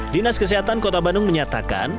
dinas kesehatan kota bandung menyatakan